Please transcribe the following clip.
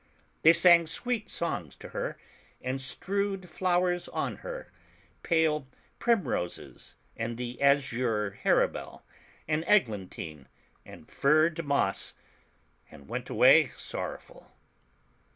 They sang sweet songs to her, and strewed flowers on her, pale primroses, and the azure harebell, and eglantine, and furred moss, and went away sorrowful.